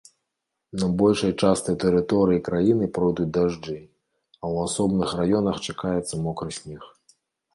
На большай частцы тэрыторыі краіны пройдуць дажджы, а ў асобных раёнах чакаецца мокры снег.